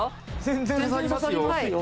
全然刺さりますよ